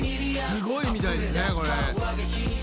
「すごいみたいですねこれ」